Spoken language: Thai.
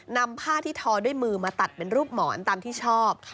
นำผ้าที่ทอด้วยมือมาตัดเป็นรูปหมอนตามที่ชอบ